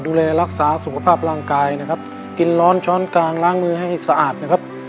ดูแลรักษาสุขภาพร่างกายนะครับกินร้อนช้อนกลางล้างมือให้สะอาดนะครับ